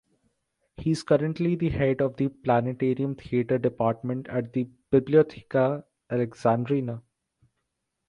He is currently the head of the Planetarium Theater Department at the Bibliotheca Alexandrina.